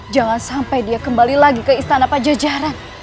jangan sampai dia kembali lagi ke istana pajajaran